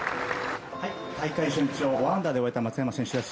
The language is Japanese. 大会初日１アンダーで終えた松山選手です。